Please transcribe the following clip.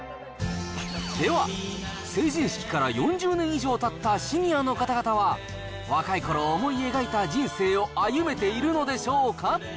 では、成人式から４０年以上たったシニアの方々は、若いころ、思い描いた人生を歩めているのでしょうか。